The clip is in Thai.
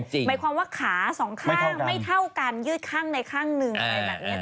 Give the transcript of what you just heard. หมายความว่าขาสองข้างไม่เท่ากันยืดข้างในข้างหนึ่งอะไรแบบนี้